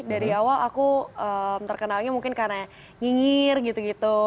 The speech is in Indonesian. dari awal aku terkenalnya mungkin karena nyinyir gitu gitu